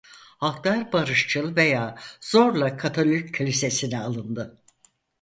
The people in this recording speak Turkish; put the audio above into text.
Halklar barışçıl veya zorla Katolik Kilisesi'ne alındı.